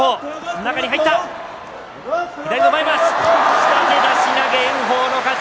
下手出し投げ、炎鵬の勝ち。